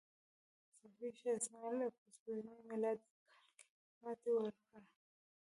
صفوي شاه اسماعیل په سپوږمیز میلادي کال کې ماتې ورکړه.